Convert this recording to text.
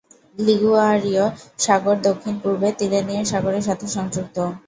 লিগুয়ারীয় সাগর দক্ষিণ-পূর্বে তিরেনীয় সাগরের সাথে সংযুক্ত।